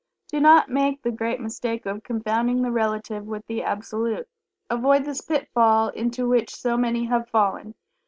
Do not make the great mistake of confounding the Relative with the Absolute. Avoid this pitfall into which so many have fallen.